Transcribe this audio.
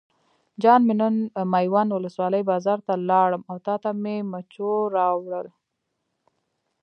جان مې نن میوند ولسوالۍ بازار ته لاړم او تاته مې مچو راوړل.